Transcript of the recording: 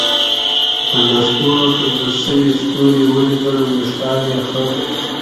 پر لستوڼو ټومبل شوي ستوري ولیدل، وېښتان یې خړ.